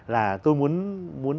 là tôi muốn